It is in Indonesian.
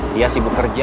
dia sibuk kerja